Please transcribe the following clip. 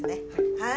はい！